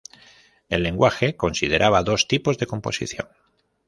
El lenguaje consideraba dos tipos de composición.